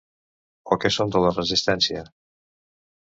O que som de la Resistència.